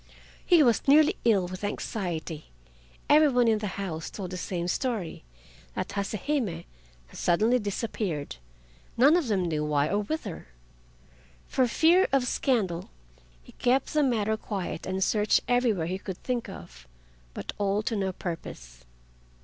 He was nearly ill with anxiety. Every one in the house told the same story—that Hase Hime had suddenly disappeared, none of them knew why or whither. For fear of scandal he kept the matter quiet and searched everywhere he could think of, but all to no purpose.